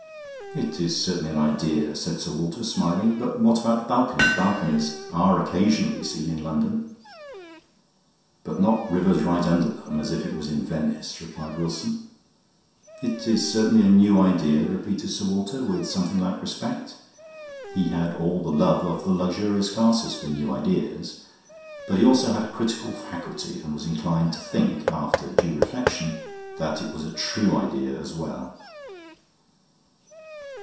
"It is certainly an idea," said Sir Walter, smiling, "but what about the balcony? Balconies are occasionally seen in London." "But not rivers right under them, as if it was in Venice," replied Wilson. "It is certainly a new idea," repeated Sir Walter, with something like respect. He had all the love of the luxurious classes for new ideas. But he also had a critical faculty, and was inclined to think, after due reflection, that it was a true idea as well.